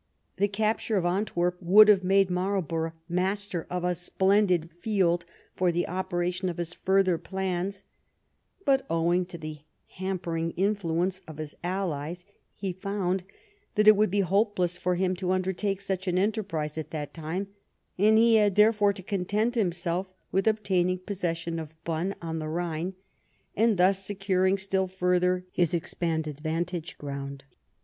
The capture of Antwerp would have made Marlborough master of a splendid field for the operation of his further plans, but owing to the hampering influence of his allies he found that it would be hopeless for him to undertake such an enterprise at that time, and he had therefore to content himself with obtaining possession of Bonn, on the Bhine, and thus securing still further his ex panded vantage ground.